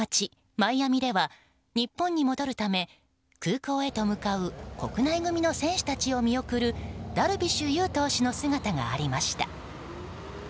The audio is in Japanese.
マイアミでは日本に戻るため空港へと向かう国内組の選手を見送るダルビッシュ有投手の姿がありました。